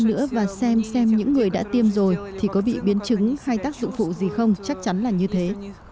một thời gian nữa và xem xem những người đã tiêm rồi thì có bị biến chứng hay tác dụng phụ gì không chắc chắn là như thế